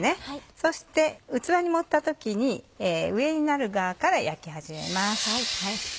そして器に盛った時に上になる側から焼き始めます。